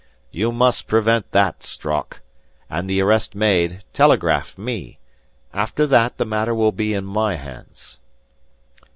"You must prevent that, Strock. And the arrest made, telegraph me. After that, the matter will be in my hands."